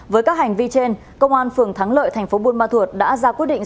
với các hành vi trên công an phường thắng lợi tp buôn ma thuột đã ra quyết định